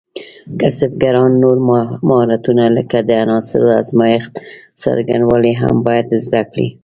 کسبګران نور مهارتونه لکه د عناصرو ازمېښت څرنګوالي هم باید زده کړي.